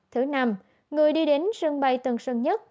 thứ năm người đi đến sân bay tân sơn nhất